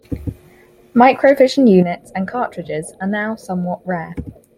Microvision units and cartridges are now somewhat rare.